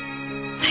はい。